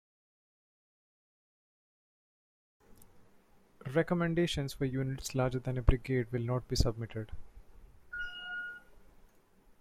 Recommendations for units larger than a brigade will not be submitted.